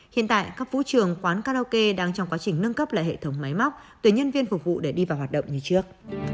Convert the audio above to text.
hiện tại các vũ trường quán karaoke đang trong quá trình nâng cấp lại hệ thống máy móc tùy nhân viên phục vụ để đi vào hoạt động như trước